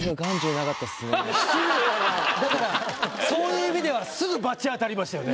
だからそういう意味ではすぐ罰当たりましたよね。